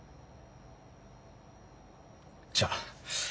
じゃあ。